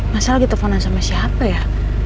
masa lagi telfonan sama siapa ya